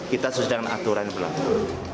kita sedang aturan berlaku